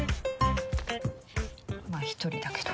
まあ一人だけど。